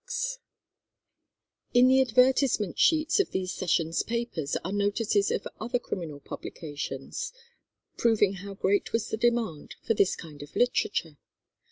] In the advertisement sheets of these sessions' papers are notices of other criminal publications, proving how great was the demand for this kind of literature.